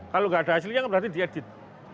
kalau gak ada hasilnya berarti diedit